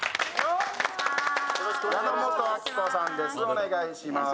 お願いいたします。